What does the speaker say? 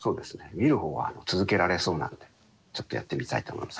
見るほうは続けられそうなんでちょっとやってみたいと思います。